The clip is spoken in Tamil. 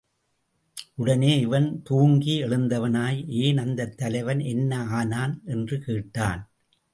உடனே இவன் தூங்கி எழுந்தவனாய், ஏன் அந்தத் தலைவன் என்ன ஆனான்? என்று கேட்டான்.